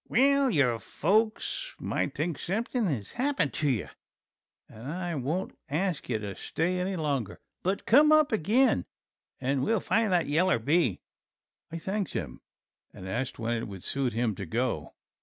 "Well, your folks might think something has happened to you and I won't ask ye to stay any longer; but come up again and we will find that yaller bee." I thanked him and asked when it would suit him to go.